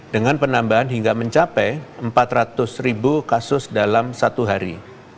dengan penambahan hingga mencapai empat ratus ribu kasus dalam satu hari